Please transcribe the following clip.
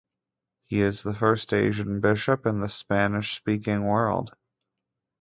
He is the first Asian bishop in the Spanish speaking world.